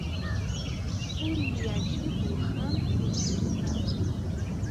Ur iyi-yeɛjib wexxam aydeg yezdeɣ.